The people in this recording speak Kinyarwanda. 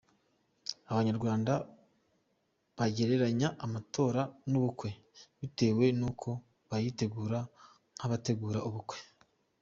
Abanyarwanda bagereranya amatora n’ ubukwe bitewe n’ uko bayitegura nk’ abategura ubukwe.